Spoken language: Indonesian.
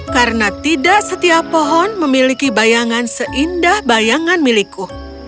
karena tidak setiap pohon memiliki bayangan seindah bayangan milikku